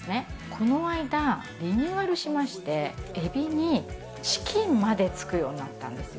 この間、リニューアルしまして、エビにチキンまでつくようになったんですよ。